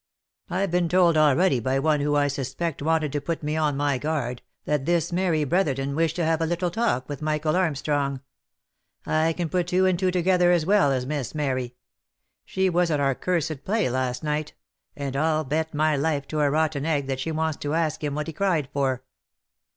I've been told already by one who I suspect wanted to put me on my guard, that this Mary Brotherton wished to have a little talk with Michael Armstrong. I can put two and two together as well as Miss Mary. She was at our cursed play last night, and I'll bet my life to a rotten egg that she wants to ask him what he cried for."